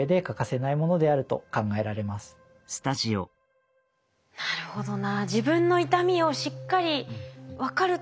なるほどな。